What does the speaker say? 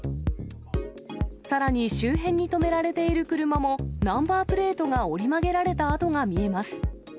さらに、周辺に止められている車も、ナンバープレートが折り曲げられた跡が見えます。